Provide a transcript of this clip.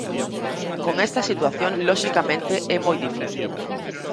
Con esta situación, loxicamente, é moi difícil.